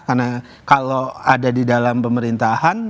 karena kalau ada di dalam pemerintahan